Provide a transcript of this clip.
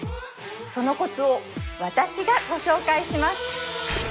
そのコツを私がご紹介します